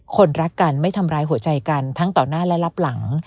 คนรักกันไม่ทำร้ายหัวใจกันทั้งต่อหน้าและรับหลัง